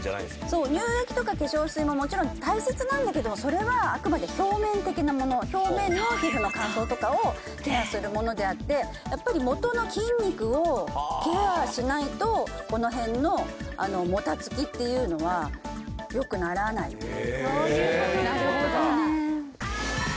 そう乳液とか化粧水ももちろん大切なんだけどもそれはあくまで表面的なもの表面の皮膚の乾燥とかをそういうことケアするものであってやっぱりもとの筋肉をケアしないとこの辺のあのもたつきっていうのはよくならないそういうことかなるほどね